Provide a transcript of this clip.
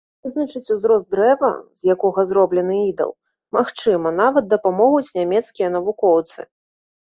Вызначыць узрост дрэва, з якога зроблены ідал, магчыма, нават дапамогуць нямецкія навукоўцы!